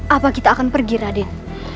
apa kita akan pergi raden